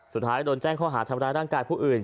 สุดท้ายโดนแจ้งข้อหาธรรมดาร่างกายพวกอื่น